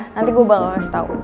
nanti gua bakal harus tau